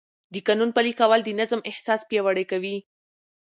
د قانون پلي کول د نظم احساس پیاوړی کوي.